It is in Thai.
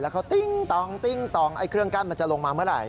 เขาติ้งตองติ้งตองไอ้เครื่องกั้นมันจะลงมาเมื่อไหร